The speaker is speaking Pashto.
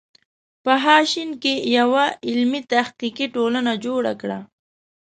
په ه ش کې یوه علمي تحقیقي ټولنه جوړه کړه.